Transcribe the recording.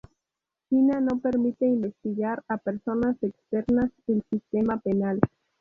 China no permite investigar a personas externas el sistema penal.